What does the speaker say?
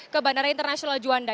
ke bandara internasional juanda